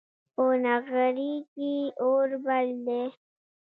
په نغري کې اور بل دی